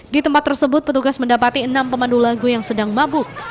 di tempat tersebut petugas mendapati enam pemandu lagu yang sedang mabuk